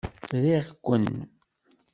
Riɣ-ken!